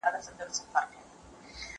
کېدای سي ږغ کم وي!